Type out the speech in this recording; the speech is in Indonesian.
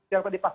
yang tadi pak